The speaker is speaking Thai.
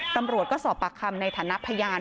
ตำรวจก็สอบปากคำในฐานะพยาน